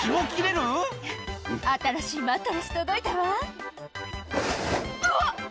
新しいマットレス、届いたわ。